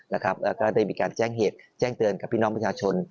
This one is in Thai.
แล้วก็ได้มีการแจ้งเหตุแจ้งเตือนกับพี่น้องประชาชน